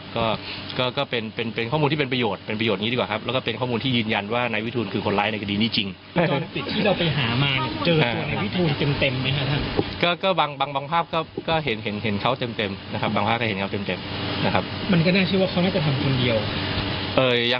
ก็น่าจะคิดว่าเขาไม่จะทำคนเดียว